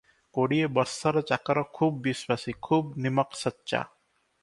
କୋଡ଼ିଏ ବର୍ଷର ଚାକର, ଖୁବ୍ ବିଶ୍ୱାସୀ, ଖୁବ୍ ନିମକସଚ୍ଚା ।